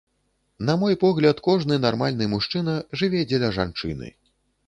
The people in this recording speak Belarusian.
На мой погляд, кожны нармальны мужчына жыве дзеля жанчыны.